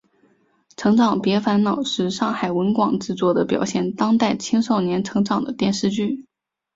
成长别烦恼是上海文广制作的表现当代青少年成长的电视剧。